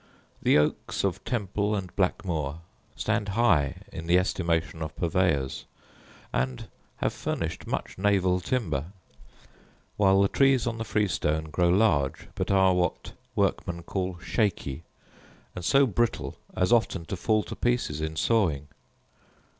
The oaks of Temple and Blackmoor stand high in the estimation of purveyors, and have furnished much naval timber; while the trees on the freestone grow large, but are what workmen call shakey, and so brittle as often to fall to pieces in sawing.